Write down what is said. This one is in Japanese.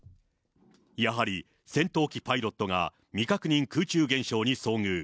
やはり、戦闘機パイロットが未確認空中現象に遭遇。